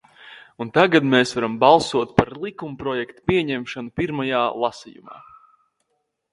Un tagad mēs varam balsot par likumprojekta pieņemšanu pirmajā lasījumā.